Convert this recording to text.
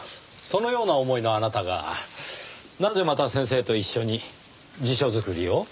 そのような思いのあなたがなぜまた先生と一緒に辞書作りを？